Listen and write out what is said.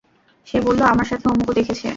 সে বলল, আমার সাথে অমুকও দেখেছে।